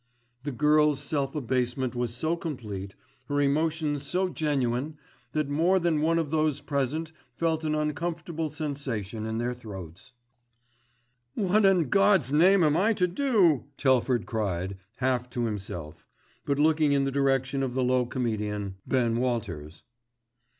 The girl's self abasement was so complete, her emotion so genuine that more than one of those present felt an uncomfortable sensation in their throats. "What in God's name am I to do?" Telford cried, half to himself; but looking in the direction of the low comedian, Ben Walters.